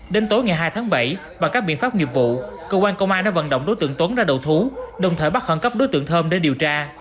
đến tối ngày hai tháng bảy bằng các biện pháp nghiệp vụ cơ quan công an đã vận động đối tượng tuấn ra đầu thú đồng thời bắt khẩn cấp đối tượng thơm để điều tra